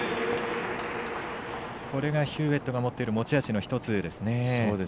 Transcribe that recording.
これがヒューウェットが持っている持ち味の１つですね。